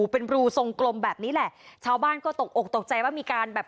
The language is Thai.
เป็นรูทรงกลมแบบนี้แหละชาวบ้านก็ตกอกตกใจว่ามีการแบบ